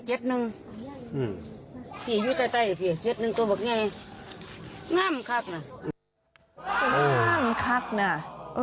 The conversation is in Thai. พี่อยู่ใต้ได้หนึ่งตัวบอกแบบนี้